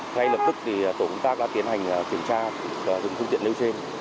ngay lập tức tổ công tác đã tiến hành kiểm tra dùng phương tiện nêu trên